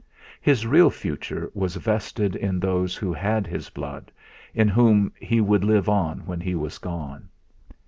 His real future was vested in those who had his blood, in whom he would live on when he was gone.